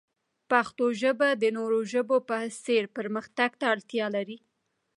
پښتو ژبه د نورو ژبو په څیر پرمختګ ته اړتیا لري.